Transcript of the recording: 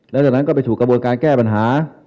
แล้วจากนั้นก็ไปถูกกระบวนการแก้ปัญหา